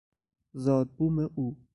زادبوم او